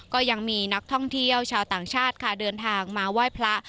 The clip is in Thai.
ก็ยังมีนักท่องเที่ยวชาวต่างชาติค่ะเดินทางมาไหว้พระ